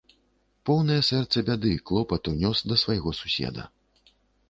Поўнае сэрца бяды, клопату нёс да свайго суседа.